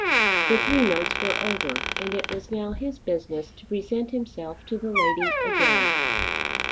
The three months were over, and it was now his business to present himself to the lady again.